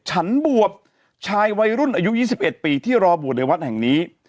ฉันบวบชายวัยรุ่นอายุ๒๑ปีที่รอบวชในวัดแห่งนี้